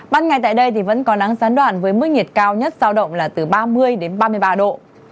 ban ngày tại đây thì vẫn có nắng gián đoạn với mức nhiệt cao nhất giao động là từ ba mươi đến ba mươi ba độ